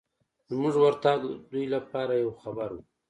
زموږ ورتګ دوی لپاره یو خبر و.